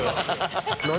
何？